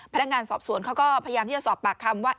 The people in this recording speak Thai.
พนักงานสอบสวนเขาก็พยายามที่จะสอบปากคำว่า